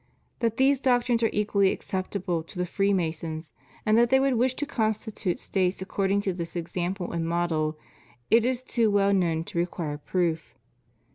That these doctrines are equally acceptable to the Freemasons, and that they would wish to constitute States according to this example and model, is too well known to require proof.